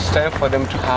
và chúng ta có thể ăn bữa tối